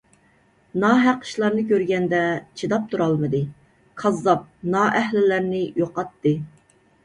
ناھەق ئىشلارنى كۆرگەندە چىداپ تۇرالمىدى، كاززاپ، نائەھلىلەرنى يوقاتتى.